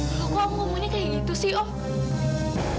kamu ngomongnya seperti itu om